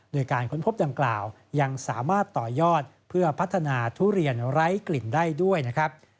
โดยการค้นพบดังกล่าวยังสามารถต่อยอดเพื่อพัฒนาทุเรียนไร้กลิ่นได้ด้วยนะครับ